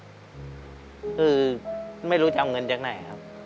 คือไม่รู้จะเอาเงินจากไหนครับ